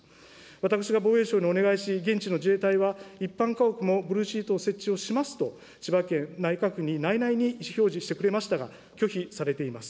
私が防衛省にお願いし、現地の自衛隊は、一般家屋もブルーシートの設置をしますと、千葉県、内閣府に内々に意思表示してくれましたが、拒否されています。